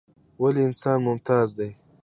ولې انسان ممتاز دى؟